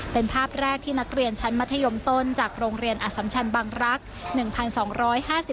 เป็นภาพแรกที่นักเรียนชั้นมัธยมต้นจากโรงเรียนอสัมชันบังรักษ์